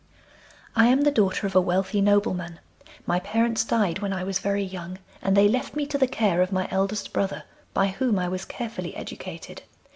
I am the daughter of a wealthy nobleman. My parents died when I was very young, and they left me to the care of my eldest brother, by whom I was carefully educated.